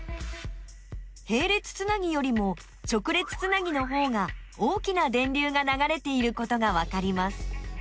へい列つなぎよりも直列つなぎのほうが大きな電流がながれていることがわかります。